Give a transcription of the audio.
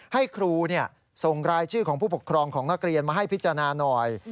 ให้ครูส่งรายชื่อของผู้ปกครองของนักเรียนมาให้พิจารณาหน่อย